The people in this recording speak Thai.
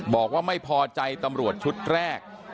บอกว่าไม่พอใจตำรวจชุดแรก